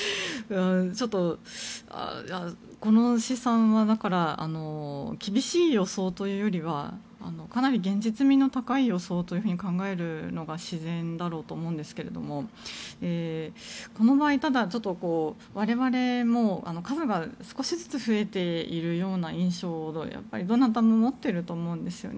ちょっとこの試算は厳しい予想というよりはかなり現実味の高い予想と考えるのが自然だろうと思うんですがこの場合、ただ我々も数が少しずつ増えているような印象をどなたも持っていると思うんですよね。